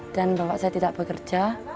dan bapak saya tidak bekerja